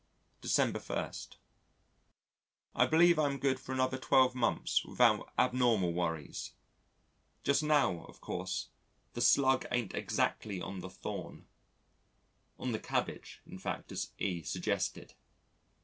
December 1. I believe I am good for another 12 months without abnormal worries. Just now, of course, the Slug ain't exactly on the thorn on the cabbage in fact as E suggested.